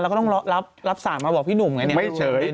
ก็ต้องรับสารมาบอกพี่หนุ่มไงเนี่ย